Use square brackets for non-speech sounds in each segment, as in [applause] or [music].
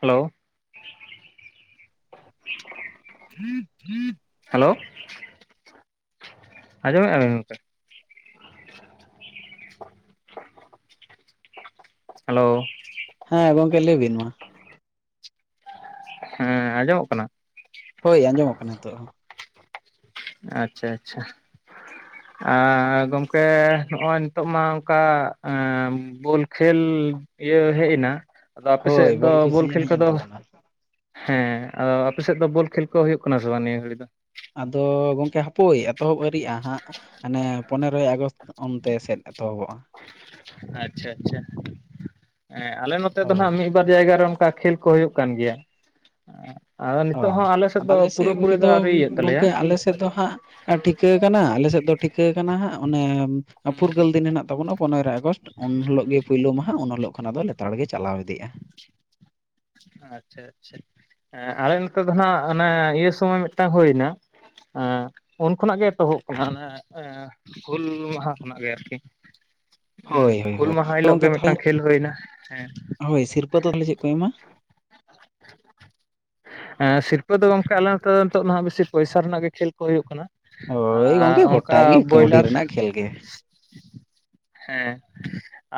Hello [inaudible] hello ᱟᱸᱡᱚᱢᱮᱜ ᱟᱵᱮ ᱜᱚᱢᱠᱮ? [inaudible] ᱦᱮᱞᱳ ᱦᱮᱸ ᱜᱚᱝᱠᱮ ᱞᱟᱹᱭ ᱵᱤᱱ ᱢᱟ ᱾ ᱦᱮᱸ ᱟᱸᱡᱚᱢᱚᱜ ᱠᱟᱱᱟ? ᱦᱳᱭ ᱟᱸᱡᱚᱢᱚᱜ ᱠᱟᱱᱟ ᱦᱤᱛᱚᱜ ᱦᱚᱸ ᱟᱪᱪᱷᱟ ᱟᱪᱪᱷᱟ ᱟᱻ ᱜᱚᱝᱠᱮ ᱱᱚᱜᱼᱚᱭ ᱱᱤᱛᱚᱜ ᱢᱟ ᱚᱱᱠᱟ ᱵᱳᱞ ᱠᱷᱮᱞ ᱤᱭᱟᱹ ᱦᱮᱡ ᱮᱱᱟ ᱟᱫᱚ ᱟᱯᱮ ᱥᱮᱫ ᱦᱳᱭ ᱫᱚ ᱵᱚᱞ ᱥᱤᱡᱤᱱ ᱠᱷᱮᱞ ᱦᱮᱡ ᱮᱱ ᱠᱚᱫᱚ ᱛᱟᱵᱚᱱᱟ ᱦᱮᱸ ᱟᱫᱚ ᱟᱯᱮᱥᱮᱫ ᱫᱚ ᱵᱚᱞ ᱠᱷᱮᱞ ᱠᱚ ᱦᱩᱭᱩᱜ ᱠᱟᱱᱟ ᱥᱮ ᱵᱟᱝ ᱱᱤᱭᱟᱹ ᱜᱷᱟᱹᱲᱤᱜ ᱫᱚ? ᱟᱫᱚ ᱜᱚᱝᱠᱮ ᱦᱟᱯᱳᱭ ᱮᱛᱚᱦᱚᱵ ᱟᱹᱨᱤᱜᱼᱟ ᱦᱟᱸᱜ ᱦᱟᱱᱮ ᱯᱚᱱᱮᱨᱚᱭ ᱟᱜᱚᱥᱴ ᱚᱱᱛᱮ ᱥᱮᱫ ᱮᱛᱚᱦᱚᱵᱚᱜᱼᱟ, ᱟᱪᱪᱷᱟ ᱟᱪᱪᱷᱟ ᱟᱞᱮ ᱱᱚᱛᱮ ᱫᱚ ᱦᱳᱭ ᱱᱟᱦᱟᱜ ᱢᱤᱫ ᱵᱟᱨ ᱡᱟᱭᱜᱟ ᱨᱮ ᱚᱱᱠᱟ ᱠᱷᱮᱞ ᱠᱚ ᱦᱩᱭᱩᱜ ᱠᱟᱱ ᱜᱮᱭᱟ᱾ ᱟᱫᱚ ᱚ, ᱱᱤᱛᱚᱜ ᱦᱚᱸ ᱫᱚ ᱟᱞᱮ ᱥᱮᱫ ᱯᱩᱨᱟᱹᱯᱩᱨᱤ ᱜᱚᱝᱠᱮ ᱫᱚ ᱟᱹᱣᱨᱤ ᱤᱭᱟᱹᱜ ᱛᱟᱞᱮᱭᱟ ᱜᱚᱝᱠᱮ ᱟᱞᱮ ᱥᱮᱫ ᱫᱚ ᱦᱟᱸᱜ ᱟᱨ ᱴᱷᱤᱠᱟᱹ ᱟᱠᱟᱱᱟ ᱟᱞᱮᱥᱮᱫ ᱫᱚ ᱴᱷᱤᱠᱟᱹ ᱟᱠᱟᱱᱟ ᱦᱟᱸᱜ ᱚᱱᱮ ᱦᱮᱸ ᱦᱮᱸ ᱯᱷᱩᱨᱜᱟᱹᱞ ᱫᱤᱱ ᱦᱮᱱᱟᱜ ᱛᱟᱵᱚᱱᱟ ᱯᱚᱱᱮᱨᱚ ᱟ ᱜᱚᱥᱴ ᱩᱱ ᱦᱤᱞᱳᱜ ᱜᱮ ᱯᱩᱭᱞᱳ ᱢᱟᱦᱟ, ᱩᱱ ᱦᱤᱞᱳᱜ ᱠᱷᱚᱱ ᱟᱫᱚ ᱞᱮᱛᱟᱲ ᱜᱮ ᱪᱟᱞᱟᱣ ᱤᱫᱤᱜᱼᱟ ᱾ ᱟᱪᱪᱷᱟ ᱟᱪᱪᱷᱟ, ᱟᱞᱮ ᱱᱮᱛᱮ ᱫᱚ ᱱᱟᱦᱟᱜ ᱚᱱᱮ ᱤᱭᱟᱹ ᱥᱚᱢᱚᱭ ᱢᱤᱫᱴᱟᱝ ᱦᱳᱭᱮᱱᱟ, ᱦᱮᱸ, ᱩᱱ ᱠᱷᱱᱟᱜ ᱜᱮ ᱮᱛᱚᱦᱚᱵ ᱠᱟᱱᱟ ᱚᱱᱮ ᱦᱩᱞ ᱢᱟᱦᱟ ᱠᱷᱚᱱᱟᱜ ᱜᱮ ᱟᱨᱠᱤ ᱾ ᱦᱩᱸ ᱦᱳᱭ ᱦᱳᱭ ᱦᱩᱞ ᱦᱳᱭ ᱢᱟᱦᱟ ᱦᱤᱞᱳᱜ ᱜᱚᱝᱠᱮ ᱜᱮ ᱛᱟᱦᱚᱞᱮ ᱢᱤᱫᱴᱟᱝ ᱠᱷᱮᱞ ᱦᱩᱭᱮᱱᱟ ᱦᱮᱸ ᱾ [unintelligible] ᱪᱮᱫ ᱠᱚ ᱮᱢᱟ? ᱦᱮᱸ ᱥᱤᱨᱯᱟᱹ ᱫᱚ ᱜᱚᱝᱠᱮ ᱟᱞᱮ ᱱᱚᱛᱮ ᱫᱚ ᱱᱤᱛᱚᱜ ᱫᱚ ᱦᱟᱸᱜ ᱵᱮᱥᱤ ᱯᱚᱭᱥᱟ ᱨᱮᱱᱟᱜ ᱜᱮ ᱠᱷᱮᱞ ᱠᱚ ᱦᱩᱭᱩᱜ ᱠᱟᱱᱟ ᱾ ᱦᱳᱭ ᱜᱚᱝᱠᱮ ᱟᱨ ᱜᱚᱴᱟ ᱚᱝᱠᱟ ᱜᱮ ᱠᱟᱹᱣᱰᱤ ᱵᱚᱭᱞᱟᱨ, ᱨᱮᱱᱟᱜ ᱠᱷᱮᱞ ᱜᱮ ᱦᱮᱸ,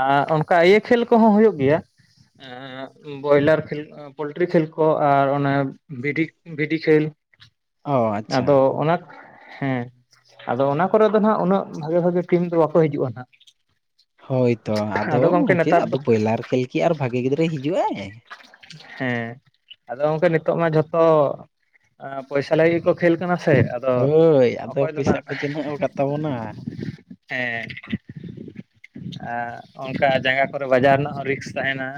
ᱟᱨ ᱚᱱᱠᱟ ᱤᱭᱟᱹ ᱠᱷᱮᱞ ᱠᱚᱦᱚᱸ ᱦᱩᱭᱩᱜ ᱜᱮᱭᱟ, ᱵᱚᱭᱞᱟᱨ ᱠᱷᱮᱞ ᱠᱚ ᱯᱳᱞᱴᱨᱤ ᱠᱷᱮᱞ ᱠᱚ‌ ᱟᱨ ᱚᱱᱮ ᱵᱷᱤᱰᱤ ᱵᱷᱤᱰᱤ ᱠᱷᱮᱞ, ᱚ ᱟᱪᱪᱷᱟ ᱟᱫᱚ ᱚᱱᱟ, ᱦᱮᱸ ᱟᱫᱚ ᱚᱱᱟ ᱠᱚᱨᱮ ᱫᱚ ᱦᱟᱸᱜ ᱩᱱᱟᱹᱜ ᱵᱷᱟᱜᱮ ᱵᱷᱟᱜᱮ ᱴᱤᱢ ᱫᱚ ᱵᱟᱠᱚ ᱦᱤᱡᱩᱜᱼᱟ ᱱᱟᱦᱟᱜ ᱾ ᱦᱳᱭᱛᱚ, ᱟᱫᱚ ᱜᱚᱝᱠᱮ ᱱᱮᱛᱟᱨ ᱟᱫᱚ ᱫᱚ ᱵᱚᱭᱞᱟᱨ ᱠᱷᱮᱞ ᱠᱤ ᱟᱨ ᱵᱷᱟᱜᱮ ᱜᱤᱫᱽᱨᱟᱹᱭ ᱦᱤᱡᱩᱜ ᱟᱭ? ᱦᱮᱸ ᱟᱫᱚ ᱜᱚᱝᱠᱮ ᱱᱤᱛᱚᱜ ᱢᱟ ᱡᱷᱚᱛᱚ, ᱟ ᱯᱚᱭᱥᱟ ᱞᱟᱜᱤᱜ ᱜᱮᱠᱚ ᱠᱷᱮᱞ ᱠᱟᱱᱟ ᱥᱮ, ᱟᱫᱚ ᱦᱳᱭ ᱟᱫᱚ ᱚᱠᱚᱭ ᱫᱚ ᱯᱚᱭᱥᱟ ᱱᱟᱜ ᱠᱚ ᱪᱤᱱᱦᱟᱹᱣ ᱟᱠᱟᱫ ᱛᱟᱵᱚᱱᱟ, ᱦᱮᱸ, ᱟᱨ ᱚᱱᱠᱟ ᱡᱟᱸᱜᱟ ᱠᱚᱨᱮ ᱵᱟᱡᱟᱨ ᱨᱮᱱᱟᱜ ᱦᱚᱸ ᱨᱤᱠᱥ ᱛᱟᱸᱦᱮᱱᱟ,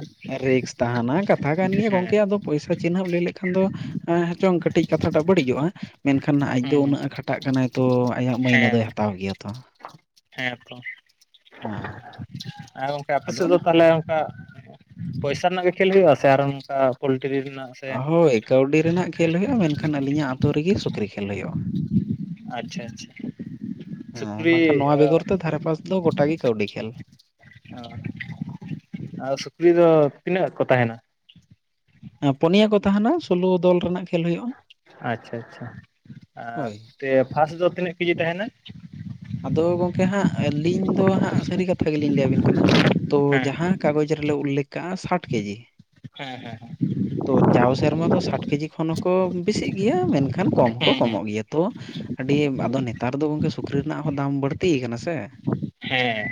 ᱨᱤᱠᱥ ᱛᱟᱸᱦᱮᱱᱟ ᱠᱟᱛ ᱠᱟᱛᱷᱟ ᱠᱟᱱ ᱜᱮᱭᱟ ᱜᱚᱝᱠᱮ ᱟᱫᱚ ᱯᱚᱭᱥᱟ ᱪᱤᱱᱦᱟᱹ ᱞᱟᱹᱭ ᱞᱮᱠᱷᱟᱱ ᱫᱚ, ᱮᱸ ᱦᱮᱪᱚᱝ ᱠᱟᱹᱴᱤᱡ ᱠᱟᱛᱷᱟᱴᱟᱜ ᱵᱟᱹᱲᱤᱡᱚᱜᱼᱟ, ᱢᱮᱱᱠᱷᱟᱱ ᱟᱡ ᱫᱚ ᱦᱩᱸ ᱦᱩᱸ ᱩᱱᱟᱹᱜ ᱮᱸ ᱠᱷᱟᱴᱟᱜ ᱠᱟᱱᱟᱭ ᱛᱚ ᱟᱭᱟᱜ ᱢᱟᱹᱭᱱᱟᱹ ᱦᱮᱸ ᱫᱚᱭ ᱦᱟᱛᱟᱣ ᱜᱮᱭᱟ ᱛᱚ᱾ ᱦᱮᱸ ᱛᱚ, ᱦᱮᱸ ᱟᱨ ᱜᱚᱢᱠᱮ ᱟᱯᱮ ᱟᱫᱚ ᱥᱮᱫ ᱫᱚ ᱛᱟᱦᱚᱞᱮ ᱚᱱᱠᱟ, ᱯᱚᱭᱥᱟ ᱨᱮᱱᱟᱜ ᱜᱮ ᱠᱷᱮᱞ ᱦᱳᱭᱳᱜᱼᱟ, ᱥᱮ ᱟᱨᱚ ᱱᱚᱝᱠᱟ ᱯᱳᱞᱴᱨᱤ ᱨᱮᱱᱟᱜ? ᱥᱮ ᱦᱳᱭ ᱠᱟᱹᱣᱰᱤ ᱨᱮᱱᱟᱜ ᱠᱷᱮᱞ ᱦᱳᱭᱳᱜᱼᱟ, ᱢᱮᱱᱠᱷᱟᱱ ᱟᱹᱞᱤᱧᱟᱜ ᱟᱛᱳ ᱨᱮᱜᱮ ᱥᱩᱠᱨᱤ ᱠᱷᱮᱞ ᱦᱳᱭᱳᱜᱼᱟ ᱾ ᱟᱪᱪᱷᱟ, ᱟᱪᱪᱷᱟ ᱦᱮᱸ ᱥᱩᱠᱨᱤ ᱵᱟᱝᱠᱷᱟᱱ ᱱᱚᱣᱟ ᱵᱮᱜᱚᱨ ᱛᱮ ᱫᱷᱟᱨᱮ ᱯᱟᱥ ᱫᱚ ᱜᱚᱴᱟ ᱜᱮ ᱠᱟᱹᱣᱰᱤ ᱠᱷᱮᱞ᱾ ᱚ ᱟᱨ ᱥᱩᱠᱨᱤ ᱫᱚ ᱛᱤᱱᱟᱹᱜ ᱠᱚ ᱛᱟᱦᱮᱱᱟ? ᱮ ᱯᱳᱱᱭᱟ ᱠᱚ ᱛᱟᱦᱮᱱᱟ, ᱥᱳᱞᱳ ᱫᱚᱞ ᱨᱮᱱᱟᱜ ᱠᱷᱮᱞ ᱦᱩᱭᱩᱜᱼᱟ᱾ ᱟᱪᱪᱷᱟ ᱟᱪᱪᱷᱟ ᱟᱨ ᱦᱳᱭ ᱛᱮ ᱯᱷᱟᱥᱴ ᱫᱚ ᱛᱤᱱᱟᱹᱜ ᱠᱮᱡᱤ ᱛᱟᱦᱮᱱᱟ? ᱟᱫᱚ ᱜᱚᱝᱠᱮ ᱦᱟᱸᱜ ᱟᱹᱞᱤᱧ ᱫᱚ ᱦᱟᱸᱜ ᱥᱟᱹᱨᱤ ᱠᱟᱛᱷᱟ ᱜᱮᱞᱤᱧ ᱞᱟᱹᱭ ᱟᱵᱤᱱ ᱠᱟᱱᱟ ᱛᱚ ᱦᱮᱸ ᱡᱟᱦᱟᱸ ᱠᱟᱜᱚᱡᱽ ᱨᱮᱞᱮ ᱩᱞᱞᱮᱠᱷ ᱠᱟᱜᱼᱟ ᱥᱟᱴ ᱠᱮᱡᱤ ᱦᱮᱸ ᱦᱮᱸ ᱦᱮᱸ ᱛᱚ ᱡᱟᱣ ᱥᱮᱨᱢᱟ ᱫᱚ ᱥᱟᱴ ᱠᱮᱡᱤ ᱠᱷᱚᱱ ᱦᱚᱸᱠᱚ ᱵᱮᱥᱤᱜ ᱜᱮᱭᱟ ᱢᱮᱱᱠᱷᱟᱱ ᱠᱚᱢ ᱦᱚᱸᱠᱚ ᱦᱮᱸ ᱠᱚᱢᱚᱜ ᱜᱮᱭᱟ ᱛᱚ ᱟᱹᱰᱤ ᱟᱫᱚ ᱱᱮᱛᱟᱨ ᱫᱚ ᱜᱚᱝᱠᱮ ᱥᱩᱠᱨᱤ ᱨᱮᱱᱟᱜ ᱦᱚᱸ ᱫᱟᱢ ᱵᱟᱹᱲᱛᱤ ᱟᱠᱟᱱᱟ ᱥᱮ, ᱦᱮᱸ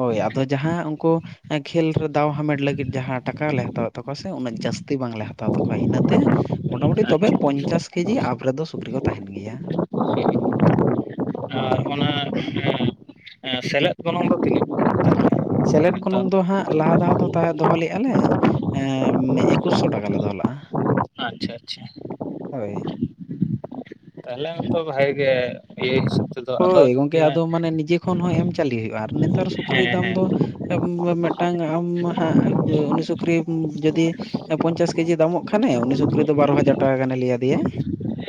ᱦᱳᱭ, ᱟᱫᱚ ᱡᱟᱦᱟᱸ ᱩᱝᱠᱳ ᱠᱷᱮᱞ ᱨᱮ ᱫᱟᱣ ᱦᱟᱢᱮᱴ ᱞᱟᱹᱜᱤᱫ ᱡᱟᱦᱟᱸ ᱴᱟᱠᱟ ᱞᱮ ᱦᱟᱛᱟᱣᱮᱜ ᱛᱟᱠᱚᱣᱟ ᱥᱮ, ᱩᱱᱟᱹᱜ ᱡᱟᱹᱥᱛᱤ ᱵᱟᱝᱞᱮ ᱦᱟ ᱦᱟᱛᱟᱣ ᱛᱟᱠᱚᱣᱟ ᱤᱱᱟᱹᱛᱮ ᱢᱚᱴᱟᱢᱩᱴᱤ ᱛᱚᱵᱮ ᱟᱪᱪᱷᱟ ᱯᱚᱧᱪᱟᱥ ᱠᱮᱡᱤ ᱟᱵ ᱨᱮᱫᱚ ᱥᱩᱠᱨᱤ ᱠᱚ ᱛᱟᱦᱮᱱ ᱜᱮᱭᱟ᱾ [unintelligible] ᱦᱳᱭ ᱟᱨ ᱚᱱᱟ ᱦᱮᱸ, ᱮᱸ ᱥᱮᱞᱮᱫ ᱜᱚᱱ ᱫᱚ ᱛᱤᱱᱟᱹᱜ ᱦᱟᱛᱟᱭᱟ? ᱥᱮᱞᱮᱫ ᱜᱚᱱᱚᱝ ᱫᱚ ᱦᱟᱸᱜ ᱞᱟᱦᱟ ᱫᱷᱟᱣ ᱫᱚ ᱛᱟᱦᱮᱸ ᱫᱚᱦᱚ ᱞᱮᱜᱼᱟ ᱞᱮ, ᱮᱸ ᱮᱠᱩᱥᱥᱚ ᱴᱟᱠᱟ ᱞᱮ ᱫᱚᱦᱚ ᱞᱟᱜᱼᱟ᱾ ᱟᱪᱪᱷᱟ ᱟᱪᱪᱷᱟ, ᱦᱳᱭ ᱛᱟᱦᱞᱮ ᱚᱱᱛᱚ ᱵᱷᱟᱜᱮ ᱤᱭᱟᱹ ᱛᱮᱫᱚ ᱟᱫᱚ ᱦᱳᱭ ᱜᱚᱝᱠᱮ ᱮᱸ ᱟᱫᱚ ᱢᱟᱱᱮ ᱱᱤᱡᱮ ᱠᱷᱚᱱ ᱦᱚᱸ ᱮᱢ ᱪᱟᱹᱞᱤ ᱦᱩᱭᱩᱜᱼᱟ᱾ ᱟᱨ ᱱᱮᱛᱟᱨ ᱥᱩᱠᱨᱤ ᱦᱮᱸ ᱦᱮᱸ ᱫᱟᱢ ᱫᱚ ᱟᱹ ᱢᱤ ᱢᱤᱫᱴᱟᱝ ᱟᱢ ᱦᱟᱸᱜ ᱩᱱᱤ ᱥᱩ ᱠᱨᱤᱢ ᱡᱩᱫᱤ ᱮ ᱯᱚᱧᱪᱟᱥ ᱠᱮᱡᱤ ᱫᱟᱢᱚᱜ ᱠᱷᱟᱱᱮ ᱩᱱᱤ ᱥᱩᱠᱨᱤ ᱫᱚ ᱵᱟᱨᱚ ᱦᱟᱡᱟᱨ ᱴᱟᱠᱟ ᱜᱟᱱᱮ ᱞᱟᱹᱭ ᱟᱫᱮᱭᱟᱭ᱾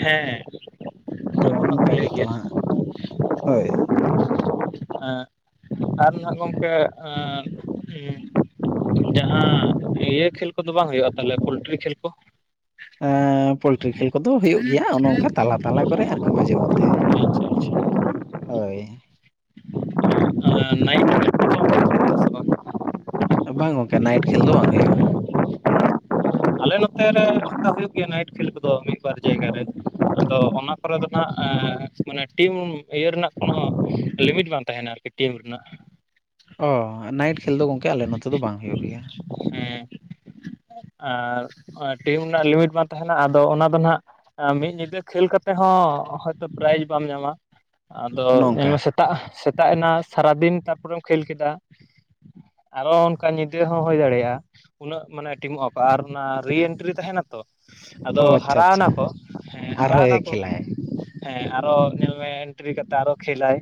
ᱦᱮᱸ ᱛᱚ ᱚᱱᱟ ᱢᱟᱠᱚ ᱚᱱᱠᱟ ᱞᱟᱹᱭ ᱜᱮᱛᱚ ᱜᱮᱭᱟ ᱮᱸ ᱦᱟᱸᱜ ᱦᱳᱭ᱾ ᱮᱸ ᱟᱨ ᱱᱟᱜ ᱜᱚᱝᱠᱮ ᱮᱸ ᱩᱸ ᱡᱟᱦᱟᱸ ᱤᱭᱟᱹ ᱠᱷᱮᱞ ᱠᱚᱫᱚ ᱵᱟᱝ ᱦᱩᱭᱩᱜᱼᱟ ᱛᱟᱦᱞᱮ ᱯᱳᱞᱴᱨᱤ ᱠᱷᱮᱞ ᱠᱚ? ᱮᱸ ᱮᱸ ᱯᱳᱞᱴᱨᱤ ᱠᱷᱮᱞ ᱠᱚᱫᱚ ᱦᱩᱭᱩᱜ ᱜᱮᱭᱟ ᱚᱱᱚ ᱚᱝᱠᱟ ᱛᱟᱞᱟ ᱛᱟᱞᱟ ᱠᱚᱨᱮ ᱟᱨᱠᱤ ᱢᱟᱡᱷᱮᱨ ᱢᱚᱫᱽᱫᱷᱮ᱾ ᱦᱳᱭ᱾ ᱟᱸ ᱱᱟᱭᱤᱴ [unintelligible] ᱵᱟᱝ ᱜᱚᱝᱠᱮ ᱱᱟᱭᱤᱴ ᱠᱷᱮᱞ ᱫᱚ ᱵᱟᱝ ᱦᱩᱭᱩᱜᱼᱟ᱾ [unintelligible] ᱟᱞᱮ ᱱᱚᱛᱮ ᱨᱮ ᱦᱩᱭᱩᱜ ᱜᱮᱭᱟ ᱱᱟᱭᱤᱴ ᱠᱷᱮᱞ ᱠᱚᱫᱚ ᱢᱤᱫ ᱵᱟᱨ ᱡᱟᱭᱜᱟ ᱨᱮ᱾ ᱟᱫᱚ ᱚᱱᱟ ᱠᱚᱨᱮ ᱫᱚᱱᱟᱜ ᱮᱸ ᱢᱟᱱᱮ ᱴᱤᱢ ᱤᱭᱟᱹ ᱨᱮᱱᱟᱜ ᱠᱚᱱᱚ ᱞᱤᱢᱤᱴ ᱵᱟᱝ ᱛᱟᱦᱮᱱᱟ ᱟᱨᱠᱤ ᱴᱤᱢ ᱨᱮᱱᱟᱜ᱾ ᱚᱻ ᱱᱟᱭᱤᱴ ᱠᱷᱮᱞ ᱫᱚ ᱜᱚᱝᱠᱮ ᱟᱞᱮ ᱱᱚᱛᱮ ᱫᱚ ᱵᱟᱝ ᱦᱩᱭᱩᱜ ᱜᱮᱭᱟ᱾ ᱦᱮᱸ᱾ ᱟᱨ ᱚᱸ ᱴᱤᱢ ᱱᱟᱜ ᱞᱤᱢᱤᱴ ᱵᱟᱝ ᱛᱟᱦᱮᱱᱟ ᱟᱫᱚ ᱚᱱᱟ ᱫᱚ ᱱᱟᱸᱦ ᱮᱸ ᱢᱤᱫ ᱧᱤᱫᱟᱹ ᱠᱷᱮᱞ ᱠᱟᱛᱮᱜ ᱦᱚᱸ ᱦᱚᱭᱛᱳ ᱯᱨᱟᱭᱤᱡᱽ ᱵᱟᱢ ᱧᱟᱢᱟ᱾ ᱟᱫᱚ ᱚᱱᱮ ᱧᱮᱞ ᱚᱱᱠᱟ ᱢᱮᱥᱮ ᱛᱟᱜ ᱥᱮᱛᱟᱜ ᱮᱱᱟ ᱥᱟᱨᱟᱫᱤᱱ ᱛᱟᱨᱯᱚᱨᱮᱢ ᱠᱷᱮᱞ ᱠᱮᱫᱟ, ᱟᱨᱚ ᱚᱱᱠᱟ ᱧᱤᱫᱟᱹ ᱦᱚᱸ ᱦᱳᱭ ᱫᱟᱲᱮᱜᱼᱟ᱾ ᱩᱱᱟᱹᱜ ᱢᱟᱱᱮ ᱴᱤᱢᱚᱜ ᱟᱠᱚ, ᱟᱨ ᱚᱱᱟ ᱨᱤ ᱤᱱᱴᱨᱤ ᱛᱟᱦᱮᱱᱟ ᱛᱚ᱾ ᱦᱚ ᱟᱫᱚ ᱟᱪᱪᱷᱟ ᱦᱟᱨᱟᱣᱱᱟ ᱟᱪᱪᱷᱟ ᱠᱚ ᱦᱮᱸ ᱦᱟᱨᱟᱣᱱᱟ ᱟᱨᱦᱚᱸᱭ ᱠᱚ, ᱠᱷᱮᱞᱟᱭ ᱦᱮᱸ ᱟᱨᱚ ᱧᱮᱞ ᱢᱮ ᱮᱱᱴᱨᱤ ᱠᱟᱛᱮᱜ ᱟᱨᱚ ᱠᱷᱮᱞ ᱟᱭ᱾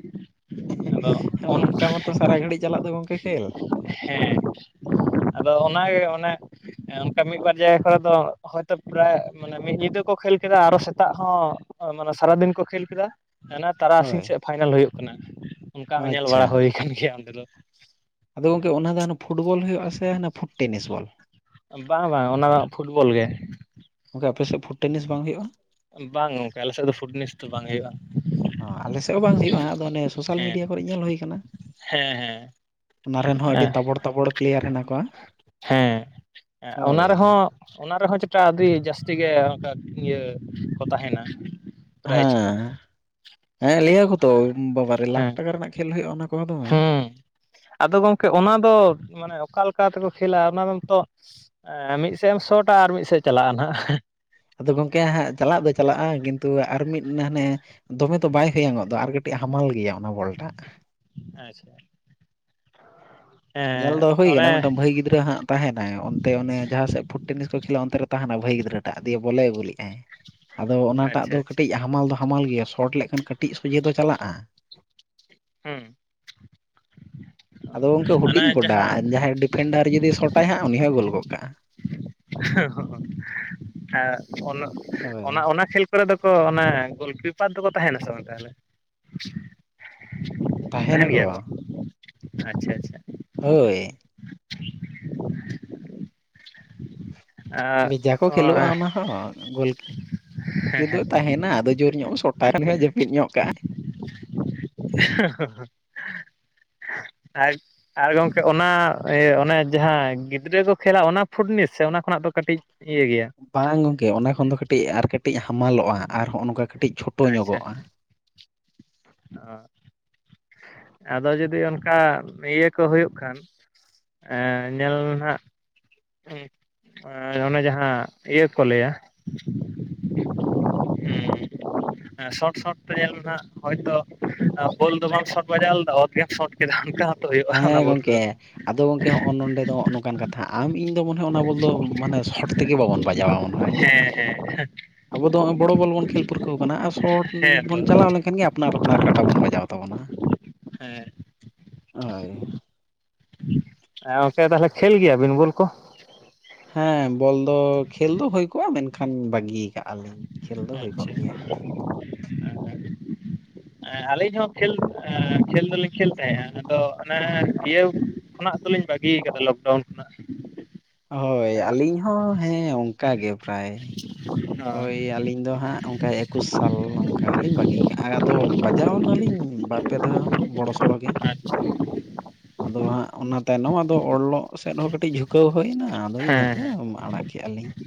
ᱱᱚᱝᱠᱟ ᱢᱟᱛᱚ ᱥᱟᱨᱟ ᱜᱷᱟᱹᱲᱤᱡ ᱪᱟᱞᱟᱜ ᱫᱚ ᱜᱚᱝᱠᱮ ᱠᱷᱹᱮᱞ? ᱦᱮᱸ᱾ ᱟᱫᱚ ᱚᱱᱟᱜᱮ ᱚᱱᱮ ᱮ ᱚᱱᱠᱟ ᱢᱤᱫ ᱵᱟᱨ ᱡᱟᱭᱜᱟ ᱠᱚᱨᱮ ᱫᱚ ᱦᱚᱭᱛᱳ ᱯᱨᱟ ᱢᱟᱱᱮ ᱢᱤᱫ ᱧᱤᱫᱟᱹ ᱠᱚ ᱠᱷᱮᱞ ᱠᱮᱫᱟ, ᱟᱨᱚ ᱥᱮᱛᱟᱜ ᱦᱚᱸ ᱢᱟᱱᱮ ᱥᱟᱨᱟᱫᱤᱱ ᱠᱚ ᱠᱷᱮᱞ ᱠᱮᱫᱟ᱾ ᱦᱟᱱᱟ ᱦᱳᱭ ᱛᱟᱨᱟᱥᱤᱧ ᱥᱮᱫ ᱯᱷᱟᱭᱱᱟᱞ ᱦᱩᱭᱩᱜ ᱠᱟᱱᱟ, ᱚᱱᱠᱟ ᱦᱚᱸ ᱧᱮᱞ ᱟᱪᱪᱷᱟ ᱵᱟᱲᱟ ᱦᱩᱭ ᱠᱟᱱ ᱜᱮᱭᱟ ᱚᱸᱰᱮ ᱫᱚ᱾ ᱟᱫᱚ ᱜᱚᱝᱠᱮ ᱚᱱᱟ ᱫᱚ ᱦᱟᱱᱮ ᱯᱷᱩᱴᱵᱚᱞ ᱦᱩᱭᱩᱜ-ᱟ ᱥᱮ ᱯᱷᱩᱴ ᱴᱮᱱᱤᱥ ᱵᱚᱞ? ᱵᱟᱝ ᱵᱟᱝ ᱚᱱᱟ ᱫᱚ ᱯᱷᱩᱴᱵᱚᱞ ᱜᱮ᱾ ᱚᱱᱛᱮ ᱟᱯᱮ ᱥᱮᱫ ᱯᱷᱩᱴ ᱴᱮᱱᱤᱥ ᱵᱟᱝ ᱦᱩᱭᱩᱜ-ᱟ? ᱵᱟᱝ ᱜᱚᱝᱠᱮ ᱟᱞᱮ ᱥᱮᱫ ᱫᱚ ᱯᱷᱩᱴ ᱱᱮᱱᱤᱥ ᱫᱚ ᱵᱟᱝ ᱦᱩᱭᱩᱜ-ᱟ᱾ ᱚ, ᱟᱞᱮ ᱥᱮᱫ ᱦᱚᱸ ᱵᱟᱝ ᱦᱩᱭᱩᱜ-ᱟ, ᱟᱫᱚ ᱚᱱᱮ ᱥᱳᱥᱟᱞ ᱢᱤᱰᱤᱭᱟ ᱠᱚᱨᱮ ᱧᱮᱞ ᱦᱩᱭ ᱠᱟᱱᱟ᱾ ᱦᱮᱸ ᱦᱮᱸ᱾ ᱚᱱᱟ ᱨᱮᱱ ᱦᱚᱸ ᱟᱹᱰᱤ ᱛᱟᱵᱚᱲ ᱛᱟᱵᱚᱲ ᱯᱮᱞᱮᱭᱟᱨ ᱦᱮᱱᱟᱜ ᱠᱚᱣᱟ᱾ ᱦᱮᱸ᱾ ᱮᱸ ᱚᱱᱟ ᱦᱳᱭ ᱨᱮᱦᱚᱸ ᱚᱱᱟ ᱨᱮᱦᱚᱸ ᱡᱮᱴᱟ ᱟᱹᱰᱤ ᱡᱟᱹᱥᱛᱤ ᱜᱮ ᱚᱱᱠᱟ ᱤᱭᱟᱹ ᱠᱚ ᱛᱟᱦᱮᱱᱟ᱾ ᱯᱨᱟᱭᱤᱡᱽ ᱠᱚ ᱦᱮᱸ ᱾ ᱦᱮᱸ, ᱞᱟᱹᱭ ᱟᱠᱚ ᱛᱚ ᱵᱟᱵᱟᱨᱮ ᱞᱟᱠᱷ ᱦᱮᱸ ᱴᱟᱠᱟ ᱨᱮᱱᱟᱜ ᱠᱷᱮᱞ ᱦᱩᱭᱩᱜ-ᱟ ᱚᱱᱟ ᱠᱚᱦᱚᱸ ᱫᱚᱢᱮ᱾ ᱦᱮᱸ ᱟᱫᱚ ᱜᱚᱝᱠᱮ ᱚᱱᱟ ᱫᱚ ᱢᱟᱱᱮ ᱚᱠᱟ ᱞᱮᱠᱟ ᱛᱮᱠᱚ ᱠᱷᱮᱞᱟ ᱚᱱᱟ ᱫᱚ ᱱᱤᱛᱚᱜ ᱢᱤᱫᱥᱮᱫ ᱮᱢ ᱥᱚᱴᱟ ᱟᱨ ᱢᱤᱫᱥᱮᱫ ᱪᱟᱞᱟᱜ-ᱟ ᱱᱟᱦᱜ᱾ ᱟᱫᱚ ᱜᱚᱝᱠᱮ ᱦᱟᱸᱜ ᱪᱟᱞᱟᱜ ᱫᱚ ᱪᱟᱞᱟᱜᱼᱟ, ᱠᱤᱱᱛᱩ ᱟᱨ ᱢᱤᱫ ᱦᱟᱱᱮ ᱫᱚᱢᱮ ᱫᱚ ᱵᱟᱭ ᱦᱚᱭᱚᱝᱚᱜ ᱫᱚ ᱟᱨ ᱠᱟᱹᱴᱤᱡ ᱦᱟᱢᱟᱞ ᱜᱮᱭᱟ ᱚᱱᱟ ᱵᱚᱞᱴᱟᱜ᱾ ᱟᱪᱪᱷᱟ᱾ ᱧᱮᱞ ᱮᱸ ᱫᱚ ᱦᱩᱭ ᱚᱱᱮ ᱠᱟᱱᱟ᱾ ᱢᱤᱫᱴᱟᱝ ᱵᱷᱟᱹᱭ ᱜᱤᱫᱽᱨᱟᱹ ᱦᱟᱸᱜ ᱛᱟᱦᱮᱱᱟᱭ ᱚᱱᱛᱮ ᱚᱱᱮ ᱡᱟᱦᱟᱸ ᱥᱮᱫ ᱯᱷᱩᱴ ᱛᱟᱦᱮᱸ ᱱᱟᱭ ᱚᱱᱛᱮ ᱚᱱᱮ ᱡᱟᱦᱟᱸ, ᱥᱮᱫ ᱯᱷᱩᱴ ᱴᱮᱱᱤᱥ ᱠᱚ ᱠᱷᱮᱞᱟ-ᱟ ᱚᱱᱛᱮᱨᱮ ᱛᱟᱦᱮᱱᱟ ᱵᱷᱟᱹᱭ ᱜᱤᱫᱽᱨᱟᱹᱪ ᱴᱟᱜ ᱫᱤᱭᱮ ᱵᱚᱞᱮ ᱟᱹᱜᱩᱞ ᱞᱮᱫᱼᱟᱭ ᱾ [inaudible] ᱟᱫᱚ ᱚᱱᱟᱴᱟᱜ ᱟᱪᱪᱷᱟ ᱫᱚ ᱟᱪᱪᱷᱟ ᱠᱟᱹᱴᱤᱡ ᱦᱟᱢᱟᱞ ᱫᱚ ᱦᱟᱢᱟᱞ ᱜᱮᱭᱟ, ᱥᱚᱴ ᱞᱮᱠᱷᱟᱱ ᱠᱟᱹᱴᱤᱡ ᱥᱚᱡᱷᱮ ᱫᱚ ᱪᱟᱞᱟᱜ-ᱟ ᱾ ᱦᱩᱸ ᱾ ᱟᱫᱚ ᱜᱚᱝᱠᱮ ᱚᱱᱮ ᱦᱩᱰᱤᱧ ᱜᱚᱰᱟ ᱡᱟᱦᱟᱸ ᱾ ᱡᱟᱦᱟᱸᱭ ᱰᱤᱯᱷᱮᱱᱰᱟᱨ ᱡᱩᱫᱤ ᱥᱚᱴᱟᱭ ᱦᱟᱸᱜ, ᱩᱱᱤ ᱦᱚᱸᱭ ᱜᱳᱞ ᱜᱚᱫ ᱠᱟᱜ-ᱟ ᱾ ᱦᱮ ᱦᱮ ᱦᱩᱸ ᱦᱮ ᱦᱮᱸ, ᱚᱱᱟ ᱦᱳᱭ ᱚᱱᱟ ᱚᱱᱟ ᱠᱷᱮᱞ ᱚᱱᱟ ᱠᱚᱨᱮ ᱫᱚᱠᱚ ᱚᱱᱮ ᱜᱳᱞᱠᱤᱯᱟᱨ ᱫᱚᱠᱚ ᱛᱟᱦᱮᱸᱱᱟ ᱥᱮ ᱵᱟᱝ ᱛᱟᱦᱚᱞᱮ? ᱛᱟᱦᱮᱸᱱ ᱜᱮᱭᱟ ᱛᱟᱦᱮᱱᱟᱠᱚ ᱠᱚ᱾ ᱟᱪᱪᱷᱟ ᱟᱪᱪᱷᱟ ᱾ ᱦᱳᱭ ᱾ [inaudible] ᱵᱷᱮᱡᱟ ᱠᱚ ᱠᱷᱮᱞᱳᱜᱼᱟ ᱟᱨ ᱚᱱᱟ ᱦᱚᱸ, ᱜᱳᱞᱠᱤ ᱫᱚᱭ ᱛᱟᱦᱮᱱᱟ, ᱟᱫᱚ ᱡᱳᱨ ᱧᱚᱜ ᱥᱚᱴ ᱴᱟᱨᱟᱱ ᱦᱚᱭ ᱡᱟᱯᱤᱫ ᱧᱚᱜ ᱠᱟᱜ-ᱟ ᱾ ᱦᱮ ᱦᱮ ᱦᱮ ᱦᱟ᱾ ᱟᱡ ᱟᱨ ᱜᱚᱝᱠᱮ ᱚᱱᱟ ᱤᱭᱟᱹ ᱚᱱᱮ ᱡᱟᱦᱟᱸ ᱜᱤᱫᱽᱨᱟᱹ ᱠᱚ ᱠᱷᱮᱞᱟ ᱚᱱᱟ ᱯᱷᱩᱴᱱᱤᱥ ᱥᱮ, ᱚᱱᱟ ᱠᱷᱚᱱᱟᱜ ᱫᱚ ᱠᱟᱹᱴᱤᱡ ᱤᱭᱟᱹ ᱜᱮᱭᱟ ᱾ ᱵᱟᱝ ᱜᱚᱝᱠᱮ ᱚᱱᱟ ᱠᱷᱚᱱ ᱫᱚ ᱠᱟᱹᱴᱤᱡ ᱟᱨ ᱠᱟᱹᱴᱤᱡ ᱦᱟᱢᱟᱞᱚᱜ-ᱟ ᱟᱨ ᱦᱚᱸᱜᱼᱱᱚᱝᱠᱟ ᱠᱟᱹᱴᱤᱡ ᱪᱷᱳᱴᱳ ᱧᱚᱜᱚᱜᱼᱟ ᱾ ᱦᱟᱸᱜ᱾ ᱟᱫᱚ ᱡᱩᱫᱤ ᱚᱱᱠᱟ ᱤᱭᱟᱹ ᱠᱚ ᱦᱩᱭᱩᱜ ᱠᱷᱟᱱ᱾ ᱮᱸ ᱧᱮᱞ ᱢᱮ ᱦᱟᱸᱜ ᱾ ᱮᱻ ᱚᱱᱮ ᱡᱟᱦᱟᱸ ᱤᱭᱟᱹ ᱠᱚ ᱞᱟᱹᱭᱟ ᱦᱩᱸᱻ ᱾ ᱦᱮᱸ, ᱥᱚᱴ ᱥᱚᱴ ᱛᱮ ᱧᱮᱞ ᱢᱮ ᱦᱟᱸᱜ ᱦᱚᱭᱛᱳ ᱵᱳᱞ ᱫᱚ ᱵᱟᱢ ᱥᱚᱴ ᱵᱟᱡᱟᱣ ᱞᱮᱫᱟ ᱚᱛ ᱜᱮᱢ ᱥᱚᱴ ᱠᱮᱫᱟ ᱾ ᱚᱱᱠᱟ ᱦᱚᱸᱛᱚ ᱦᱳᱭᱩᱜ-ᱟ ᱚᱱᱟ ᱵᱚᱞ ᱨᱮ ᱫᱚ ᱾ ᱱᱚᱜ-ᱱᱚᱝᱠᱟᱱ ᱠᱟᱛᱷᱟ ᱟᱢ ᱤᱧ ᱫᱚ ᱢᱚᱱᱮ ᱦᱚᱭ ᱚᱱᱟ ᱵᱚᱞ ᱫᱚ ᱢᱟᱱᱮ ᱥᱚᱴ ᱛᱮᱜᱮ ᱵᱟᱵᱚᱱ ᱵᱟᱡᱟᱣᱟ ᱢᱚᱱᱮ ᱦᱚᱭ ᱾ [unintelligible] ᱟᱵᱚ ᱫᱚ ᱦᱚᱸᱜ-ᱚᱭ ᱵᱚᱲᱚ ᱵᱚᱞ ᱵᱚᱱ ᱠᱷᱮᱞ ᱯᱟᱹᱨᱠᱟᱹᱣ ᱠᱟᱱᱟ᱾ᱟᱨ ᱥᱚᱴ ᱦᱮᱸ ᱛᱚ ᱵᱚᱱ ᱪᱟᱞᱟᱣ ᱞᱮᱱᱠᱷᱟᱱ ᱜᱮ ᱟᱯᱱᱟᱨ ᱵᱟᱨ ᱠᱟᱴᱟ ᱵᱚᱱ ᱵᱟᱡᱟᱣ ᱛᱟᱵᱚᱱᱟ ᱾ ᱦᱮᱸ᱾ ᱮ ᱜᱚᱝᱠᱮ ᱛᱟᱞᱦᱮ ᱠᱷᱮᱞ ᱜᱮᱭᱟ ᱵᱤᱱ ᱵᱳᱞ ᱠᱚ? ᱦᱮᱸ ᱵᱚᱞ ᱫᱚ ᱠᱷᱮᱞ ᱫᱚ ᱦᱳᱭ ᱠᱚᱜ-ᱟ ᱢᱮᱱᱠᱷᱟᱱ ᱵᱟᱜᱤ ᱠᱟᱜ-ᱟ ᱞᱤᱧ ᱠᱷᱮᱞ ᱫᱚ ᱦᱳᱭ ᱠᱚᱜ ᱜᱮᱭᱟ ᱾ ᱮᱻ ᱟᱹᱞᱤᱧ ᱦᱚᱸ ᱠᱷᱮᱞ ᱮᱻ ᱠᱷᱮᱞ ᱫᱚᱞᱤᱧ ᱠᱷᱮᱞ ᱛᱟᱦᱮᱸᱜ-ᱟ᱾ ᱟᱫᱚ ᱮᱻ ᱤᱭᱟᱹᱣ‌ ᱠᱷᱚᱱᱟᱜ ᱫᱚᱞᱤᱧ ᱵᱟᱹᱜᱤ ᱠᱟᱫᱟ ᱞᱚᱠᱰᱟᱣᱩᱱ ᱠᱷᱚᱱᱟᱜ᱾ ᱦᱳᱭ ᱚ ᱟᱹᱞᱤᱧ ᱦᱚᱸ ᱦᱮᱸ ᱚᱱᱠᱟ ᱜᱮ ᱯᱮᱨᱟᱭ᱾ ᱟᱪᱪᱷᱟ ᱳᱭ ᱟᱹᱞᱤᱧ ᱫᱚ ᱦᱟᱸᱜ ᱚᱱᱠᱟ ᱮᱠᱩᱥ ᱥᱟᱞ ᱚᱱᱠᱟ ᱞᱤᱧ ᱵᱟᱜᱤ ᱠᱟᱜ-ᱟ ᱟᱫᱚ ᱵᱟᱡᱟᱣ ᱱᱟᱞᱤᱧ ᱵᱟᱨ ᱯᱮ ᱫᱷᱟᱣ ᱵᱚᱲᱚ ᱥᱚᱲᱚ ᱜᱮ᱾ [inaudible] ᱟᱫᱚ ᱦᱟᱸᱜ ᱚᱱᱟ ᱛᱟᱭᱱᱚᱢ ᱟᱫᱚ ᱚᱞᱚᱜ ᱥᱮᱫ ᱦᱚᱸ ᱠᱟᱹᱴᱤᱡ ᱡᱷᱩᱠ ᱠᱟᱹᱣ ᱦᱳᱭᱱᱟ ᱟᱫᱚ ᱤᱱᱟᱹ ᱛᱮ ᱦᱮᱸ ᱟᱸᱻ ᱟᱲᱟᱜ ᱠᱮᱜ-ᱟ ᱞᱤᱧ ᱾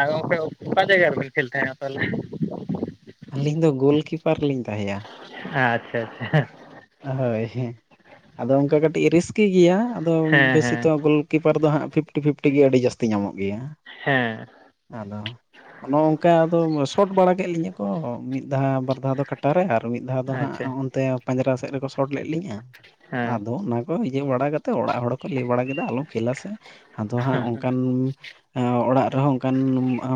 ᱟᱨ ᱜᱚᱝᱠᱮ ᱚᱠᱟ ᱡᱟᱭᱜᱟ ᱨᱮ ᱵᱮᱱ ᱠᱷᱮᱞ ᱛᱟᱦᱮᱜ--ᱟ ᱛᱟᱞᱦᱮᱸ? ᱟᱹᱞᱤᱧ ᱫᱚ ᱜᱳᱞᱠᱤᱯᱟᱨ ᱞᱤᱧ ᱛᱟᱦᱮᱭ-ᱟ᱾ ᱦᱮᱸ ᱟᱪᱪᱷᱟ ᱟᱪᱪᱷᱟ᱾ ᱦᱳᱭ ᱦᱮᱸ ᱟᱫᱚ ᱚᱱᱠᱟ ᱠᱟᱹᱴᱤᱡ ᱨᱤᱥᱠᱤ ᱜᱮᱭᱟ ᱟᱫᱚ ᱦᱮᱸ ᱵᱮᱥᱤ ᱦᱮᱸ ᱛᱚ ᱜᱳᱞ ᱠᱤᱯᱟᱨ ᱫᱚ ᱦᱟᱸᱜ ᱯᱷᱤᱯᱴᱤ ᱯᱷᱤᱯᱴᱤ ᱜᱮ ᱟᱰᱤ ᱡᱟᱹᱥᱛᱤ ᱧᱟᱢᱚᱜ ᱜᱮᱭᱟ ᱾ ᱦᱮᱸ ᱾ ᱟᱫᱚ ᱚᱱᱚ ᱚᱝᱠᱟ ᱟᱫᱚ ᱥᱚᱴ ᱵᱟᱲᱟ ᱠᱮᱫ ᱞᱤᱧᱟᱹ ᱠᱚ ᱢᱤᱫ ᱫᱷᱟᱣ ᱵᱟᱨ ᱫᱷᱟᱣ ᱫᱚ ᱠᱟᱴᱟᱨᱮ ᱟᱨ ᱢᱤᱫ ᱫᱷᱟᱣ ᱫᱚ ᱦᱟᱸᱜ ᱟᱪᱪᱷᱟ ᱦᱚᱸᱜ-ᱚᱱᱛᱮ ᱯᱟᱸᱡᱽᱨᱟ ᱥᱮᱫ ᱨᱮᱠᱚ ᱥᱚᱴ ᱞᱮᱫ ᱞᱤᱧᱟ ᱾ ᱦᱮᱸ ᱟᱫᱚ ᱚᱱᱟ ᱠᱚ ᱤᱭᱟᱹ ᱵᱟᱲᱟ ᱠᱟᱛᱮ ᱚᱲᱟᱜ ᱦᱚᱲ ᱠᱚ ᱞᱟᱹᱭ ᱵᱟᱲᱟ ᱠᱮᱫᱟ ᱟᱞᱚᱢ ᱠᱷᱮᱞᱟ ᱥᱮ᱾ ᱟᱫᱚ ᱦᱟᱸᱜ ᱚᱱᱠᱟᱱ ᱚᱲᱟᱜ ᱨᱮᱦᱚᱸ ᱚᱱᱠᱟᱱ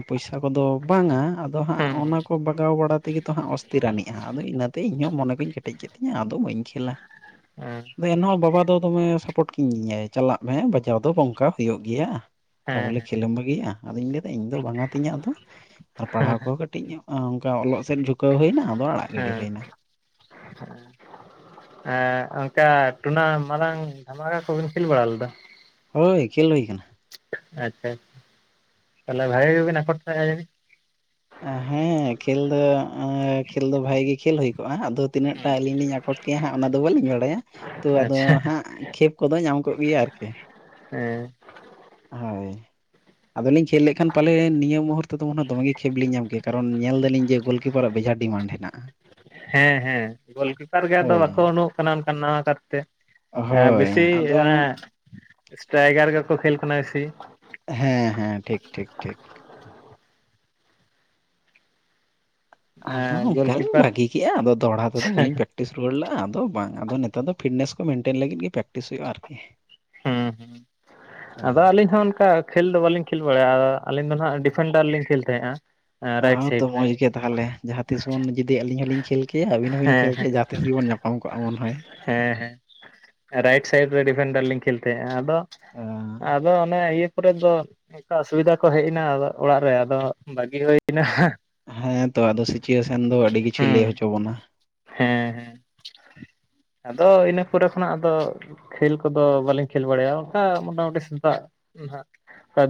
ᱯᱚᱭᱥᱟᱹ ᱠᱚᱫᱚ ᱵᱟᱝ-ᱟ ᱟᱫᱚ ᱦᱟᱸᱜ ᱦᱩᱸ ᱚᱱᱟ ᱦᱩᱸ ᱠᱚ ᱵᱟ ᱜᱟᱣ ᱵᱟᱲᱟ ᱛᱮᱜᱮ ᱛᱚ ᱦᱟᱸᱜ ᱚᱥᱛᱤᱨᱟᱱᱤᱡᱟ ᱟᱫᱚ ᱤᱱᱟᱹᱛᱮ ᱤᱧ ᱦᱚᱸ ᱢᱚᱱᱮ ᱠᱚᱧ ᱠᱮᱴᱮᱡ ᱠᱮᱫ ᱛᱤᱧᱟ ᱟᱫᱚ ᱵᱟᱹᱧ ᱠᱷᱮᱞᱟ᱾ ᱦᱮᱸ᱾ ᱟᱫᱚ ᱮᱱᱦᱚᱸ ᱵᱟᱵᱟ ᱫᱚ ᱫᱚᱢᱮ ᱥᱟᱯᱚᱴ ᱠᱤᱫᱤᱧᱟᱭ ᱪᱟᱞᱟᱜ ᱢᱮ ᱵᱟᱡᱟᱣ ᱫᱚ ᱱᱚᱝᱠᱟ ᱦᱳᱭᱳᱜ ᱜᱮᱭᱟ᱾ ᱛᱟ ᱵᱚᱞᱮ ᱦᱮᱸ ᱠᱷᱮᱞ ᱮᱢ ᱵᱟᱹᱜᱤᱭᱟ ᱟᱫᱚᱧ ᱞᱟᱹᱭ ᱫᱟ ᱤᱧ ᱫᱚ ᱵᱟᱝ ᱟᱛᱤᱧᱟ ᱟᱫᱚ᱾ ᱟᱨ ᱯᱟᱲᱦᱟᱣ ᱠᱚ ᱦᱮᱸ ᱦᱚᱸ ᱠᱟᱹᱴᱤᱡ ᱚᱱᱠᱟ ᱚᱞᱚᱜ ᱥᱮᱫ ᱡᱷᱩᱠᱟᱹᱣ ᱦᱳᱭᱱᱟ ᱟᱫᱚ ᱟᱲᱟᱜ ᱜᱤᱰᱤ ᱦᱮᱸ ᱦᱳᱭᱱᱟ᱾ [inaudible] ᱚᱱᱠᱟ ᱴᱩᱱᱟ ᱢᱟᱨᱟᱝ ᱫᱷᱟᱢᱠᱟ ᱠᱚᱵᱤᱱ ᱠᱷᱮᱞ ᱵᱟᱲᱟ ᱞᱮᱫᱟ? ᱦᱳᱭ ᱠᱷᱮᱞ ᱦᱳᱭ ᱠᱟᱱᱟ᱾ ᱟᱪᱪᱷᱟ, ᱟᱪᱪᱷᱟ ᱛᱟᱞᱦᱮ ᱵᱷᱟᱜᱤ ᱜᱮᱵᱤᱱ ᱟᱠᱚᱴ ᱦᱟᱦᱮᱸᱜ-ᱟ ᱡᱟᱹᱱᱤᱡ᱾ ᱦᱮᱸ ᱠᱷᱮᱞ ᱫᱚ ᱠᱷᱮᱞ ᱫᱚ ᱵᱷᱟᱜᱤ ᱜᱮ ᱠᱷᱮᱞ ᱦᱳᱭ ᱠᱚᱜ-ᱟ᱾ ᱟᱫᱚ ᱛᱤᱱᱟᱹᱜ ᱴᱟᱜ ᱟᱞᱤᱧ ᱞᱤᱧ ᱟᱠᱚᱴ ᱠᱮᱭᱟ ᱦᱟᱸᱜ ᱚᱱᱟ ᱫᱚ ᱵᱟᱹᱞᱤᱧ ᱵᱟᱲᱟᱭᱟ᱾ᱛᱚ ᱟᱫᱚ ᱟᱪᱪᱷᱟ ᱦᱟᱸᱜ ᱠᱷᱮᱯ ᱠᱚᱫᱚ ᱧᱟᱢ ᱠᱚᱜ ᱜᱮᱭᱟ ᱟᱨᱠᱤ᱾ ᱦᱮᱸ᱾ ᱦᱳᱭ ᱟᱫᱚ ᱞᱤᱧ ᱠᱷᱮᱞ ᱞᱮᱜ ᱠᱷᱟᱱ ᱯᱟᱞᱮᱱ ᱱᱤᱭᱟᱹ ᱢᱩᱦᱩᱨᱛᱚ ᱫᱚ ᱫᱚᱢᱮ ᱜᱮ ᱠᱷᱮᱯ ᱞᱤᱧ ᱧᱟᱢ ᱠᱮ ᱠᱟᱨᱚᱱ ᱧᱮᱞ ᱫᱟᱹᱞᱤᱧ ᱡᱮ ᱜᱳᱞᱠᱤᱯᱟᱨᱟᱜ ᱵᱮᱡᱟᱨ ᱰᱤᱢᱟᱱᱰ ᱦᱮᱱᱟᱜ-ᱟ᱾ ᱦᱮᱸ, ᱦᱮᱸ ᱜᱳᱞᱠᱤᱯᱟᱨ ᱜᱮ ᱟᱫᱚ ᱵᱟᱠᱚ ᱳᱰᱳᱝᱚᱜ ᱠᱟᱱᱟ ᱚᱱᱠᱟᱱ ᱱᱟᱣᱟ ᱠᱟᱨᱛᱮ᱾ ᱦᱳᱭ ᱮᱸᱻᱵᱤᱥᱤ ᱟᱫᱚ ᱚᱱᱟ ᱥᱴᱨᱟᱭᱜᱟᱨ ᱜᱮᱠᱚ ᱠᱷᱮᱞ ᱠᱟᱱᱟ ᱵᱤᱥᱤ᱾ ᱦᱮᱸ, ᱦᱮᱸ ᱴᱷᱤᱠ, ᱴᱷᱤᱠ, ᱴᱷᱤᱠ᱾ ᱟᱫᱚ ᱮᱸ ᱚᱱᱠᱟ ᱞᱤᱧ ᱜᱳᱞᱠᱤᱯᱟᱨ ᱵᱟᱹᱜᱤ ᱠᱮᱜ-ᱟ ᱟᱫᱚ ᱫᱚᱦᱲᱟ ᱛᱮᱫᱚ ᱵᱟᱹᱞᱤᱧ ᱯᱮᱠ ᱯᱮᱠᱴᱤᱥ ᱨᱩᱣᱟᱹᱲ ᱞᱟᱜ-ᱟ ᱟᱫᱚ ᱵᱟᱝ ᱾ ᱟᱫᱚ ᱱᱮᱛᱟᱨ ᱫᱚ ᱯᱷᱤᱴᱱᱮᱥ ᱠᱚ ᱢᱮᱱᱴᱮᱱ ᱞᱟᱹᱜᱤᱫ ᱜᱮ ᱯᱨᱮᱠᱴᱤᱥ ᱦᱳᱭᱳᱜ-ᱟ ᱟᱨᱠᱤ᱾ ᱦᱩᱸ, ᱦᱩᱸ ᱦᱳᱭ ᱟᱫᱚ ᱟᱞᱤᱧ ᱦᱚᱸ ᱚᱱᱠᱟ ᱠᱷᱮᱞ ᱫᱚ ᱵᱟᱹᱞᱤᱧ ᱠᱷᱮᱞ ᱵᱟᱲᱟᱭᱟ ᱟᱹᱞᱤᱧ ᱫᱚ ᱱᱟᱦᱟᱸᱜ ᱰᱤᱯᱷᱮᱱᱰᱟᱨ ᱞᱤᱧ ᱠᱷᱮᱞ ᱛᱟᱦᱮᱸᱜᱼᱟ᱾ ᱨᱟᱭᱤᱴ ᱛᱟᱣ ᱛᱚ ᱥᱟᱭᱤᱰ ᱨᱮ ᱢᱚᱡᱽ ᱜᱮ ᱛᱟᱦᱚᱞᱮ ᱡᱟᱦᱟᱸ ᱛᱤᱥ ᱵᱚᱱ ᱡᱩᱫᱤ ᱟᱹᱞᱤᱧ ᱦᱚᱸᱞᱤᱧ ᱠᱷᱮᱞ ᱠᱮᱭᱟ ᱟᱵᱤᱱ ᱦᱚᱸᱵᱤᱱ ᱦᱮᱸ ᱠᱷᱮᱞ ᱦᱮᱸ ᱠᱮᱭᱟ ᱡᱟᱦᱟᱸ ᱛᱤᱥ ᱜᱮᱵᱚᱱ ᱧᱟ ᱯᱟᱢ ᱠᱚᱜᱼᱟ ᱵᱚᱱ ᱦᱳᱭ᱾ ᱦᱮᱸ ᱦᱮᱸ ᱨᱟᱭᱤᱴ ᱥᱟᱭᱤᱰ ᱨᱮ ᱰᱤᱯᱷᱮᱱᱰᱟᱨ ᱞᱤᱧ ᱠᱷᱮᱞ ᱛᱟᱦᱮᱸᱜᱼᱟ᱾ ᱟᱫᱚ ᱟᱸ ᱟᱫᱚ ᱚᱱᱮ ᱤᱭᱟᱹ ᱯᱚᱨᱮ ᱫᱚ ᱚᱱᱠᱟ ᱚᱥᱩᱵᱤᱫᱟ ᱠᱚ ᱦᱮᱡ ᱮᱱᱟ ᱚᱲᱟᱜ ᱨᱮ ᱟᱫᱚ ᱵᱟᱜᱤ ᱦᱩᱭᱮᱱᱟ᱾ ᱦᱮᱸᱛᱚ ᱟᱫᱚ ᱥᱤᱪᱩᱭᱮᱥᱮᱱ ᱫᱚ ᱟᱹᱰᱤ ᱠᱤᱪᱷᱩᱭ ᱦᱩᱸ ᱞᱟᱹᱭ ᱦᱚᱪᱚ ᱵᱟᱱᱟ᱾ ᱦᱮᱸ ᱦᱮᱸ ᱟᱫᱚ ᱤᱱᱟᱹ ᱯᱚᱨᱮ ᱠᱷᱚᱱᱟᱜ ᱟᱫᱚ ᱠᱷᱮᱞ ᱠᱚᱫᱚ ᱵᱟᱹᱞᱤᱧ ᱠᱷᱮᱞ ᱵᱟᱲᱟᱭᱟ ᱚᱱᱠᱟ ᱢᱚᱴᱟ ᱢᱩᱴᱤ ᱥᱮᱛᱟᱜ [unintelligible] ᱚᱱᱠᱟ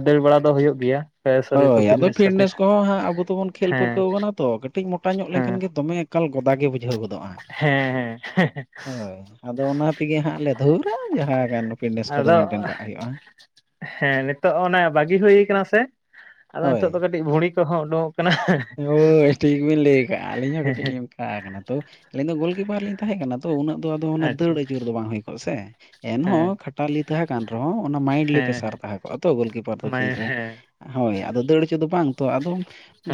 ᱫᱟᱹᱲ ᱵᱟᱲᱟ ᱫᱚ ᱦᱩᱭᱩᱜ ᱜᱮᱭᱟ᱾ ᱥᱚᱨᱤᱨ ᱠᱚ ᱦᱳᱭ ᱟᱫᱚ ᱠᱷᱟᱹᱛᱤᱨ ᱯᱷᱤᱴᱱᱮᱥ ᱠᱚᱦᱚᱸ ᱦᱟᱸᱜ ᱟᱵᱚ ᱫᱚᱵᱚᱱ ᱠᱷᱮᱞ ᱦᱮᱸ ᱯᱟᱹᱨᱠᱟᱹᱣ ᱠᱟᱱᱟ ᱛᱚ ᱠᱟᱹᱴᱤᱡ ᱢᱚᱴᱟ ᱧᱚᱜ ᱦᱮᱸ ᱞᱮᱱᱠᱷᱟᱱ ᱜᱮ ᱫᱚᱢᱮ ᱮᱠᱟᱞ ᱜᱚᱫᱟ ᱜᱮ ᱵᱩᱡᱷᱟᱹᱣ ᱜᱚᱫᱚᱜᱼᱟ᱾ ᱦᱮᱸ [unintelligible] ᱦᱳᱭ ᱟᱫᱚ ᱚᱱᱟ ᱛᱮᱜᱮ ᱦᱟᱸᱜ ᱞᱮᱜ ᱫᱷᱩᱨᱟ ᱡᱟᱦᱟᱸ ᱠᱟᱱ ᱯᱷᱤᱴᱱᱮᱥ ᱠᱚᱫᱚ ᱟᱫᱚ ᱢᱮᱱᱴᱮᱱ ᱠᱟᱜ ᱦᱩᱭᱩᱜᱼᱟ᱾ ᱦᱮᱸ ᱱᱤᱛᱚᱜ ᱚᱱᱮ ᱵᱟᱹᱜᱤ ᱦᱩᱭ ᱠᱟᱱᱟ ᱥᱮ ᱟᱫᱚ ᱦᱳᱭ ᱱᱤᱛᱚᱜ ᱫᱚ ᱠᱟᱹᱴᱤᱡ ᱵᱷᱩᱲᱤ ᱠᱚᱦᱚᱸ ᱳᱰᱳᱝᱚᱜ ᱠᱟᱱᱟ [unintelligible] ᱦᱳᱭ ᱴᱷᱤᱠ ᱵᱤᱱ ᱞᱟᱹᱭ ᱠᱟᱜᱼᱟ ᱟᱹᱞᱤᱧ ᱦᱚᱸ ᱦᱮᱸ ᱠᱟᱹᱴᱤᱡ ᱦᱮᱸ ᱞᱤᱧ ᱚᱱᱠᱟ ᱠᱟᱱᱟ ᱛᱚ ᱟᱹᱞᱤᱧ ᱫᱚ ᱜᱳᱞᱠᱤᱯᱟᱨ ᱞᱤᱧ ᱛᱟᱦᱮᱸ ᱠᱟᱱᱟ ᱛᱚ ᱩᱱᱟᱹᱜ ᱫᱚ ᱟᱫᱚ ᱚᱱᱟ ᱫᱟᱹᱲ ᱟᱪᱪᱷᱟ ᱟᱹᱪᱩᱨ ᱫᱚ ᱵᱟᱝ ᱦᱩᱭ ᱠᱚᱜᱼᱟ ᱥᱮ ᱮᱱᱦᱚᱸ ᱦᱮᱸ ᱠᱷᱟᱴᱟᱞᱤ ᱛᱟᱦᱮᱸ ᱠᱟᱱ ᱨᱮᱦᱚᱸ ᱚᱱᱟ ᱢᱟᱭᱤᱱᱰᱞᱤ ᱦᱮᱸ ᱯᱮᱥᱟᱨ ᱦᱮᱸ ᱛᱟᱦᱮᱸ ᱠᱚᱜᱼᱟ ᱛᱚ ᱜᱳᱞᱠᱤᱯᱟᱨ ᱫᱚ ᱢᱟ ᱠᱷᱮᱞ ᱨᱮ ᱦᱮᱸ ᱦᱳᱭ ᱟᱫᱚ ᱫᱟᱹᱲ ᱟᱹᱪᱩᱨ ᱫᱚ ᱵᱟᱝ ᱛᱚ ᱟᱫᱚᱢ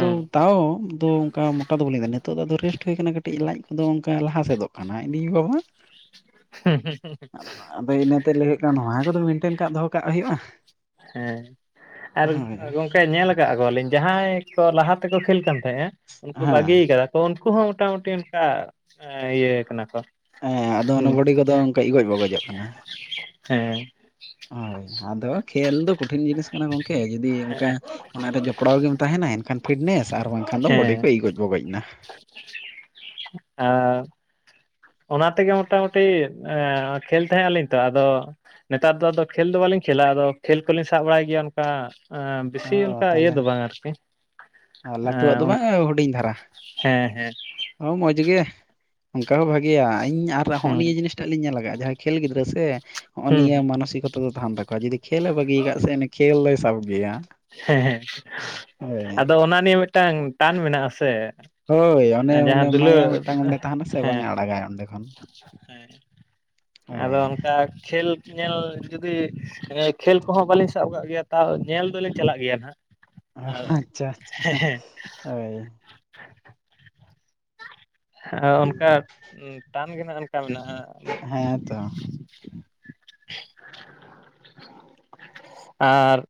ᱫᱚ ᱛᱟᱣ ᱟᱫᱚ ᱚᱱᱠᱟ ᱢᱚᱴᱟ ᱫᱚ ᱵᱟᱹᱞᱤᱧ ᱛᱟᱦᱮ ᱠᱟᱱᱟ ᱱᱤᱛᱚᱜ ᱫᱚ ᱟᱫᱚ ᱨᱮᱥᱴ ᱦᱩᱭ ᱠᱟᱱᱟ ᱠᱟᱹᱴᱤᱡ ᱞᱟᱡ ᱫᱚ ᱚᱱᱠᱟ ᱞᱟᱦᱟ ᱥᱮᱫᱚᱜ ᱠᱟᱱᱟ ᱞᱟᱹᱭ ᱫᱤᱧ ᱤ ᱵᱟᱵᱟ᱾ [unintelligible] ᱦᱩᱸ ᱦᱩᱸ ᱦᱩᱸ ᱦᱩᱸ ᱾ ᱟᱫᱚ ᱟᱫᱚ ᱤᱱᱟᱹ ᱛᱮ ᱞᱟᱹᱭ ᱦᱩᱭᱩᱜ ᱠᱟᱱᱟ ᱱᱚᱣᱟ ᱠᱚᱫᱚ ᱢᱮᱱᱴᱮᱱ ᱠᱟᱜ ᱫᱚᱦᱚ ᱠᱟᱜ ᱦᱩᱭᱩᱜᱼᱟ᱾ ᱦᱮᱸ ᱟᱨ ᱦᱳᱭ ᱜᱚᱢᱠᱮ ᱧᱮᱞ ᱠᱟᱜ ᱠᱚᱣᱟᱞᱤᱧ ᱡᱟᱦᱟᱸᱭ ᱠᱚ ᱞᱟᱦᱟ ᱛᱮᱠᱚ ᱠᱷᱮᱞ ᱠᱟᱱ ᱛᱟᱦᱮᱸᱜᱼᱟ ᱩᱱᱠᱩ ᱦᱮᱸ ᱵᱟᱹᱜᱤᱭᱟᱠᱟᱫᱟ ᱛᱚ ᱩᱱᱠᱩ ᱦᱚᱸ ᱢᱚᱴᱟ ᱢᱩᱴᱤ ᱚᱱᱠᱟ ᱤᱭᱟᱹ ᱠᱟᱱᱟ ᱠᱚ ᱦᱮᱸ ᱟᱫᱚ ᱚᱱᱟ ᱦᱩᱸ ᱵᱚᱰᱤ ᱠᱚᱫᱚ ᱚᱱᱠᱟ ᱤᱜᱚᱡ ᱵᱚᱜᱚᱡᱚᱜ ᱠᱟᱱᱟ᱾ ᱦᱮᱸ ᱦᱳᱭ ᱟᱫᱚ ᱠᱷᱹᱮᱞ ᱫᱚ ᱠᱚᱴᱷᱤᱱ ᱡᱤᱱᱤᱥ ᱠᱟᱱᱟ ᱜᱚᱢᱠᱮ ᱡᱩᱫᱤ ᱚᱱᱠᱟ ᱦᱮᱸ ᱚᱱᱟᱨᱮ ᱡᱚᱯᱲᱟᱣ ᱜᱮᱢ ᱛᱟᱦᱮᱱᱟ ᱮᱱᱠᱷᱟᱱ ᱯᱷᱤᱴᱱᱮᱥ ᱟᱨ ᱵᱟᱝᱠᱷᱟᱱ ᱫᱚ ᱵᱚᱰᱤ ᱠᱚ ᱤᱜᱚᱡ ᱵᱚᱜᱚᱡ ᱮᱱᱟ᱾ [unintelligible] ᱦᱮᱸ᱾ ᱚᱱᱟ ᱛᱮᱜᱮ ᱢᱚᱴᱟᱢᱩᱴᱤ ᱮᱸ ᱠᱷᱮᱞ ᱛᱟᱦᱮᱸᱜ ᱟᱞᱤᱧ ᱛᱚ ᱟᱫᱚ ᱱᱮᱛᱟᱨ ᱫᱚ ᱟᱫᱚ ᱠᱷᱮᱞ ᱫᱚ ᱵᱟᱞᱤᱧ ᱠᱷᱮᱞᱟ ᱟᱫᱚ ᱠᱷᱮᱞ ᱠᱚᱞᱤᱧ ᱥᱟᱵ ᱵᱟᱲᱟᱭ ᱜᱮᱭᱟ᱾ [unintelligible] ᱟᱸ ᱵᱮᱥᱤ ᱚᱱᱠᱟ ᱤᱭᱟᱹ ᱫᱚ ᱵᱟᱝ ᱟᱨᱠᱤ ᱟᱨ ᱞᱟᱹᱛᱩᱣᱟᱜ ᱫᱚ ᱦᱮᱸ ᱵᱟᱝ ᱟᱸ ᱦᱩᱰᱤᱧ ᱫᱷᱟᱨᱟ᱾ ᱦᱮᱸ ᱦᱮᱸ ᱚ ᱢᱚᱡᱽ ᱜᱮ ᱚᱱᱠᱟ ᱦᱚᱸ ᱵᱷᱟᱜᱮᱭᱟ ᱤᱧ ᱟᱨ ᱦᱚᱸᱜᱼ ᱦᱩᱸ ᱱᱤᱭᱟᱹ ᱡᱤᱱᱤᱥ ᱴᱟᱜ ᱞᱤᱧ ᱧᱮᱞᱟᱠᱟᱜᱼᱟ ᱡᱟᱦᱟᱸᱭ ᱠᱷᱮᱞ ᱜᱤᱫᱽᱨᱟᱹ ᱥᱮ ᱦᱚᱜᱼᱚᱭ ᱦᱩᱸ ᱱᱤᱭᱟᱹ ᱢᱟᱱᱚᱥᱤᱠᱚᱛᱟ ᱚᱠᱛᱚ ᱫᱚ ᱛᱟᱦᱮᱱ ᱛᱟᱠᱚᱣᱟ ᱡᱩᱫᱤ ᱠᱷᱮᱞᱮ ᱵᱟᱹᱜᱤ ᱠᱟᱜ ᱥᱮ ᱩᱱᱤ ᱠᱷᱮᱞ ᱫᱚᱭ ᱥᱟᱵ ᱜᱮᱭᱟ᱾ ᱦᱮᱸ ᱦᱮᱸ ᱦᱳᱭ ᱟᱫᱚ ᱚᱱᱟ ᱱᱤᱭᱟᱹ ᱢᱤᱫᱴᱟᱝ ᱴᱟᱱ ᱢᱮᱱᱟᱜ-ᱟ ᱥᱮ᱾ ᱦᱳᱭ ᱚᱱᱮ ᱚᱱᱮ ᱡᱟᱦᱟᱸ ᱫᱩᱞᱟᱹᱲ ᱢᱟᱭᱟ ᱢᱤᱫᱴᱟᱝ ᱚᱸᱰᱮ ᱛᱟᱦᱮᱱᱟ ᱥᱮ ᱵᱟᱝ-ᱮ ᱟᱲᱟᱜᱟᱭ ᱚᱸᱰᱮ ᱠᱷᱚᱱ᱾ ᱦᱮᱸ ᱟᱫᱚ ᱦᱳᱭ ᱚᱱᱠᱟ ᱠᱷᱮᱞ ᱧᱮᱞ ᱡᱩᱫᱤ ᱮᱸ ᱠᱷᱮᱞ ᱠᱚᱦᱚᱸ ᱵᱟᱞᱤᱧ ᱥᱟᱵ ᱠᱟᱜ ᱜᱮᱭᱟ ᱛᱟᱣ ᱧᱮᱞ ᱫᱚᱞᱤᱧ ᱪᱟᱞᱟᱜ ᱜᱮᱭᱟ ᱱᱟᱜ᱾ ᱚ ᱟᱪᱪᱷᱟ ᱟᱪᱪᱷᱟ ᱦᱳᱭ [unintelligible] ᱚ ᱚᱱᱠᱟ ᱴᱟᱱ ᱜᱮ ᱱᱟᱜ ᱚᱱᱠᱟ ᱢᱮᱱᱟᱜᱼᱟ᱾ [inaudible] ᱦᱮᱸ ᱛᱚ ᱟᱨ ᱾